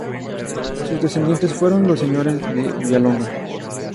Sus descendientes fueron los señores de Villalonga.